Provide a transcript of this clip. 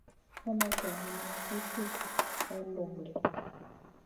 Wana kayni mi fi gusna may lum ɗi.